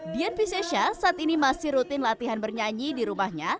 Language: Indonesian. dian viscesha saat ini masih rutin latihan bernyanyi di rumahnya